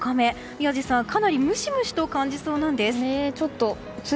宮司さん、かなりムシムシと感じそうなんです。